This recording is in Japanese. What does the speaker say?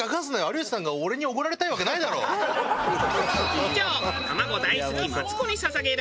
以上。